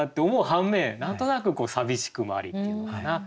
反面何となく寂しくもありっていうのかな。